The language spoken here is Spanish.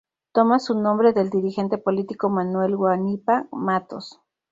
Toma su nombre del dirigente político Manuel Guanipa Matos.